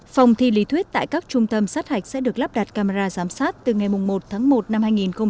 phòng thi lý thuyết tại các trung tâm sát hạch sẽ được lắp đặt camera giám sát từ ngày một tháng một năm hai nghìn hai mươi